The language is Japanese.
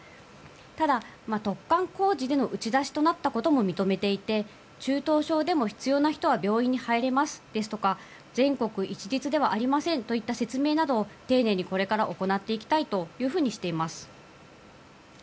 ただ、突貫工事での打ち出しとなったことも認めていて中等症でも必要な人は病院に入れますですとか全国一律ではありませんといった説明などを丁寧に、これから行っていきたいとしています。